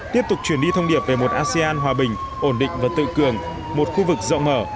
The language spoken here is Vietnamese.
tiếp tục chuyển đi thông điệp về một asean hòa bình ổn định và tự cường một khu vực rộng mở